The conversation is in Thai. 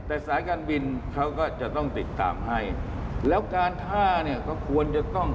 แต่สายการบินเขาก็จะต้องติดตามให้แล้วการท่าเนี่ยก็ควรจะต้อง